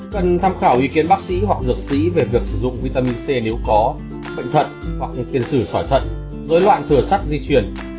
cần tham khảo ý kiến bác sĩ hoặc dược sĩ về việc sử dụng vitamin c nếu có bệnh thận hoặc tiền sử khỏi thận dối loạn thừa sắt di chuyển